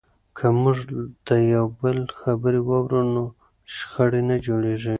که موږ د یو بل خبرې واورو نو شخړې نه جوړیږي.